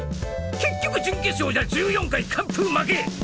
結局準決勝じゃ１４回完封負け！